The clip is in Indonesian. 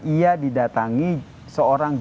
ia didatangi seorang